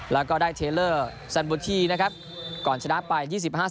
แล้วก็ได้เทลเลอร์สรรพุทธินะครับก่อนชนะไป๒๕๑๕